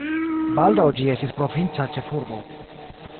Baldaŭ ĝi estis provinca ĉefurbo.